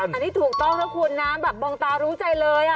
อันนี้ถูกต้องนะคุณนะแบบมองตารู้ใจเลย